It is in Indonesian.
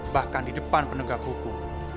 bahkan di depan penegak hukum